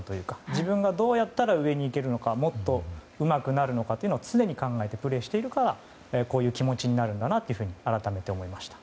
自分がどうやったら上に行けるのかとかもっとうまくなるのかを常に考えてプレーしているからこういう気持ちになるんだなというふうに改めて思いました。